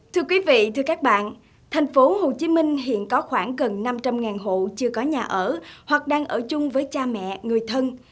thưa quý vị thưa các bạn thành phố hồ chí minh hiện có khoảng gần năm trăm linh hộ chưa có nhà ở hoặc đang ở chung với cha mẹ người thân